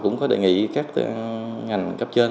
cũng có đề nghị các ngành cấp trên